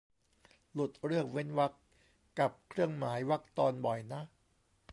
หลุดเรื่องเว้นวรรคกับเครื่องหมายวรรคตอนบ่อยนะ